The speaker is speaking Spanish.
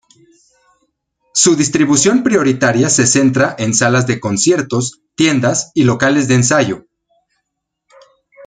Su distribución prioritaria se centra en salas de conciertos, tiendas y locales de ensayo.